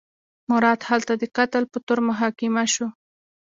مراد هلته د قتل په تور محاکمه شو.